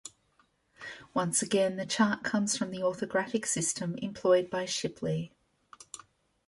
Once again, the chart comes from the orthographic system employed by Shipley.